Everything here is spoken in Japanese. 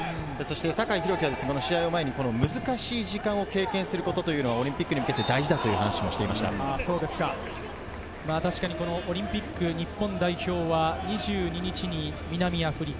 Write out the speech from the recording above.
酒井宏樹は難しい時間を経験することはオリンピックに向けて大事オリンピック日本代表は２２日に南アフリカ。